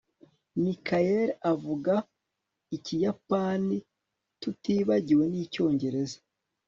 michael avuga ikiyapani, tutibagiwe n'icyongereza